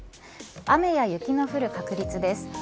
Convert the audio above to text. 雨や雪の降る確率です。